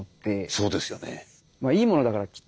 そうですよね。